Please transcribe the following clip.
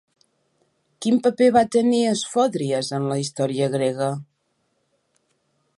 Quin paper va tenir Esfòdries en la història grega?